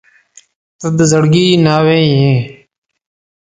• ته د زړګي ناوې یې.